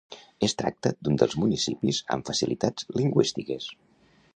Es tracta d'un dels municipis amb facilitats lingüístiques.